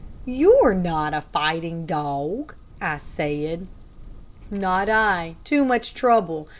"You're not a fighting dog," I said. "Not I. Too much trouble.